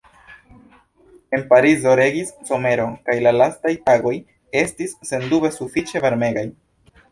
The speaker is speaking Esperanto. En Parizo regis somero kaj la lastaj tagoj estis sendube sufiĉe varmegaj.